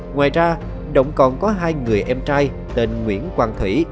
ngoài ra động còn có hai người em trai tên nguyễn quang thủy